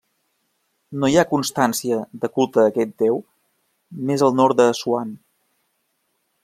No hi ha constància de culte a aquest deu més al nord d'Assuan.